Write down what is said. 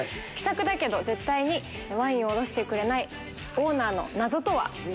気さくだけど絶対にワインを卸してくれないオーナーの謎とは？